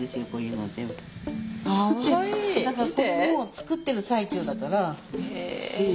だからこれも作ってる最中だから。